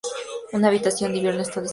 Una habitación de invierno está disponible.